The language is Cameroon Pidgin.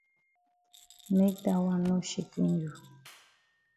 Make dat wan no shaken you.